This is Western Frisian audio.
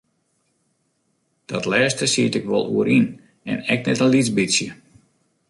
Dat lêste siet ik wol oer yn en ek net in lyts bytsje.